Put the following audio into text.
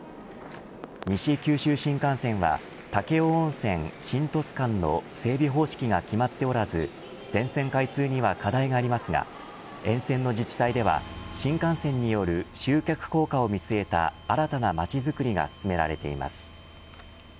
西九州新幹線は武雄温泉、新鳥栖間の整備方針が決まっておらず全線開通には課題がありますが沿線の自治体では新幹線による集客効果を見据えた新たなまちづくりが進められています。